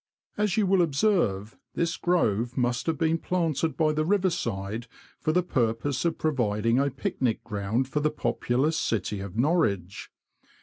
As you will observe, this Grove must have been planted by the riverside for the purpose of providing a picnic ground for the populous city of Norwich.